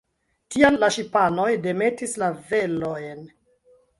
Tial la ŝipanoj demetis la velojn.